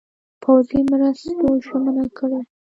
پوځي مرستو ژمنه کړې وه.